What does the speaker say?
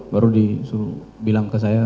baru disuruh bilang ke saya